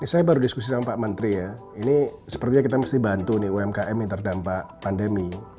saya baru diskusi sama pak menteri ya ini sepertinya kita mesti bantu nih umkm yang terdampak pandemi